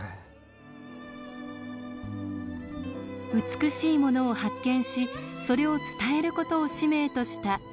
美しいものを発見しそれを伝えることを使命とした新井満さん。